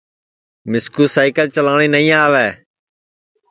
مِسکُو سئکل چلاٹؔی نائی آوے